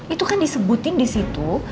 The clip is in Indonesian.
itu kan disebutin disitu